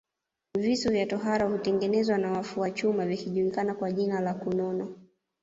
Visu vya tohara hutengenezwa na wafua chuma vikijulikana kwa jina la kunono